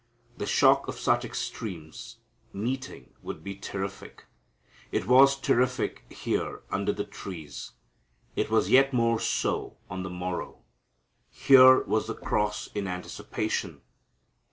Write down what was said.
The shock of such extremes meeting would be terrific. It was terrific here under the trees. It was yet more so on the morrow. Here was the cross in anticipation.